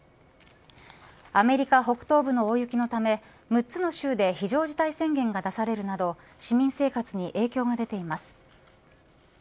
アメリカ北東部の大雪のため６つの州で非常事態宣言が出されるなど市民生活に影響が出ています。